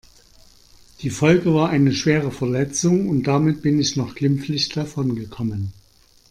Die Folge war eine schwere Verletzung und damit bin ich noch glimpflich davon gekommen.